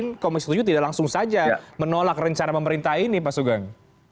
mengapa di rapat kemarin komisi tujuh tidak langsung saja menolak rencana pemerintah ini pak sugeng